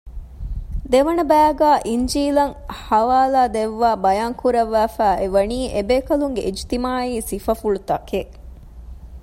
ދެވަނަ ބައިގައި އިންޖީލަށް ޙަވާލާދެއްވައި ބަޔާންކުރައްވައިފައިއެވަނީ އެބޭކަލުންގެ އިޖްތިމާޢީ ސިފަފުޅުތަކެއް